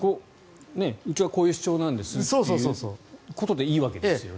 うちはこういう主張なんですということでいいわけですよね。